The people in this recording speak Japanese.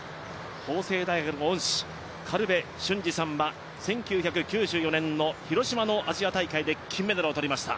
法政大学の恩師、苅部俊二さんは１９９４年、広島のアジア大会で金メダルをとりました。